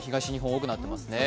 多くなっていますね。